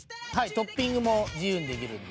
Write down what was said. トッピングも自由にできるんで」